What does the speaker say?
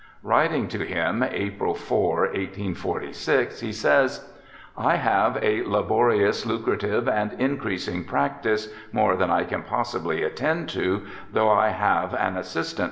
Writing to him April 4, 1846, he says :' I have a laborious, lucrative, and increasing practice, more than I can possibly attend to, though I have an assistant.